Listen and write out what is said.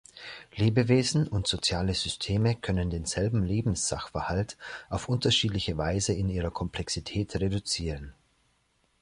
Lebewesen und soziale Systeme können denselben Lebenssachverhalt auf unterschiedliche Weise in ihrer Komplexität reduzieren.